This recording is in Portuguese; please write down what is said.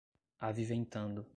aviventando